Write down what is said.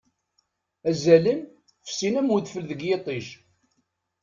Azalen, fessin am udfel deg yiṭij.